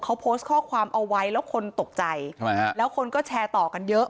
เขาโพสต์ข้อความเอาไว้แล้วคนตกใจทำไมฮะแล้วคนก็แชร์ต่อกันเยอะ